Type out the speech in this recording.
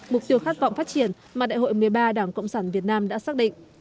mục tiêu khát vọng phát triển mà đại hội một mươi ba đảng cộng sản việt nam đã xác định